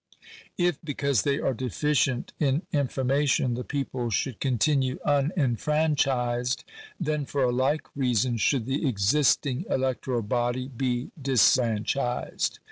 If, because they are deficient in information, the people should continue unenfranchised, then for a like reason should the existing electoral body be dis franchised.